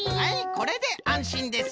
これであんしんです。